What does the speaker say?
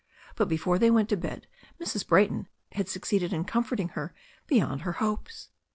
But before they went to bed Mrs. Brayton had succeeded in comforting her beyond her hopes.